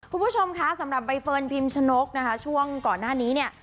คุณผู้ชมคะสำหรับใบเฟิร์นพิมชนกนะคะช่วงก่อนหน้านี้เนี่ย